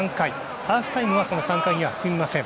ハーフタイムはその３回には含みません。